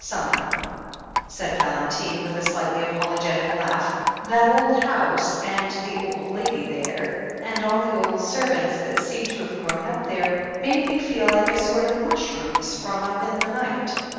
Somehow," said Valen THE HEEL OF ACHILLES 399 tine, with a slightly apologetic laugh, "that old house, and the old lady there, and all the old servants that seemed to have grown up there, made me feel like a sort of mushroom sprung up in the night.